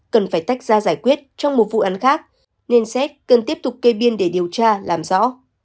cần phải tách ra giải quyết trong một vụ án khác nên xét cần tiếp tục kê biên để điều tra làm rõ